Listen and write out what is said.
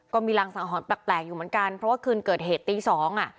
ก็มีรังสังหรณ์แปลกอยู่เหมือนกันเพราะว่าคืนเกิดเหตุตีสองอ่ะ